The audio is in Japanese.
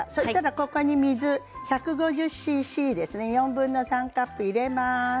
ここに水を１５０ｃｃ４分の３カップ入れます。